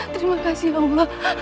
terima kasih allah